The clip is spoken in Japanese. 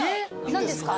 何ですか？